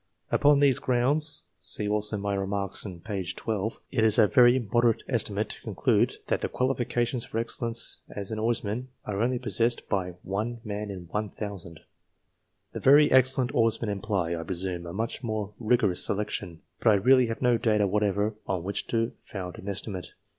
Upon these grounds (see also my remarks in p. 10) it is a very moderate estimate to conclude that the qualifications for excellence as an oarsman, are only possessed by 1 man in 1,000. The " very excellent " oarsmen imply, I presume, a much more rigorous selection, but .1 really have no data OARSMEN 299 whatever on which to found an estimate.